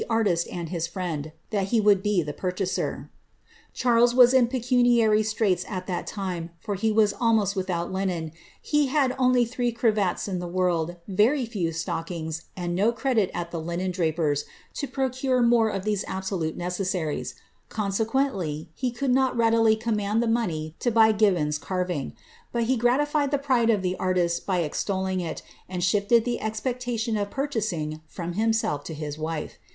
artist and his friend, that he would be the parchaser. Chariea pecuniary straits at that time, for he was alinoet without linen ; he hii only three cnvats in the world, very few atodcings, and no cradK at Ai I linendniprr^s, to procure more of these absolute ncceaaarica;' quently he could not readily command the money to hay Gibboi^ earring, but he gratified the pride of the artist by extolling' it, and riuM the expectation of purchasing from himself to his wife.